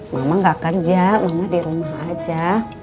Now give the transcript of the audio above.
mama gak kerja mama di rumah aja